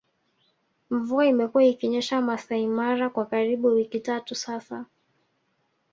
Mvua imekuwa ikinyesha Maasai Mara kwa karibu wiki tatu sasa